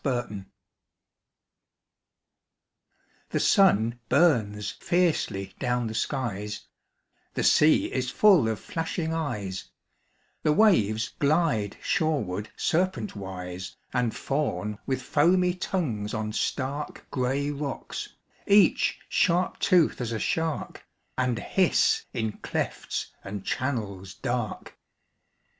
A PICTURE THE sun burns fiercely down the skies ; The sea is full of flashing eyes ; The waves glide shoreward serpentwise And fawn with foamy tongues on stark Gray rocks, each sharp toothed as a shark, And hiss in clefts and channels dark.